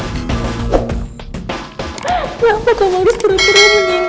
papa kamu harus berhenti